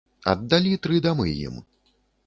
Аддалі тры дамы ім.